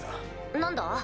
何だ？